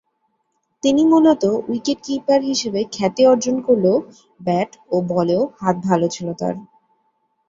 তিনি মূলত wicket keeper হিসেবে খ্যাতি অর্জন করলেও ব্যাট ও বলেও হাত ভাল ছিল তার।